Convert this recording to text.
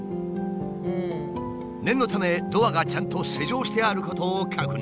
念のためドアがちゃんと施錠してあることを確認。